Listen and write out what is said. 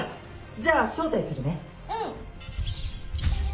じゃあ招待するね。